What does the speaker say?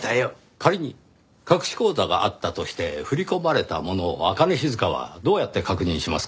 仮に隠し口座があったとして振り込まれたものを朱音静はどうやって確認しますか？